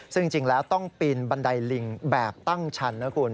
ซึ่งจริงแล้วต้องปีนบันไดลิงแบบตั้งชั้นนะคุณ